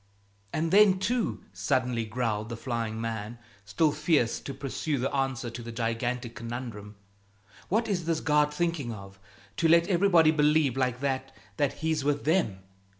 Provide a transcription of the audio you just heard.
"And then, too," suddenly growled the flying man, still fierce to pursue the answer to the gigantic conundrum, "what is this God thinking of to let everybody believe like that that He's with them?